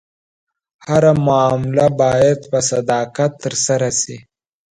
هره معامله باید په صداقت ترسره شي.